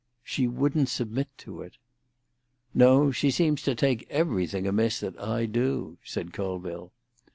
"She wouldn't submit to it." "No; she seems to take everything amiss that I do," said Colville.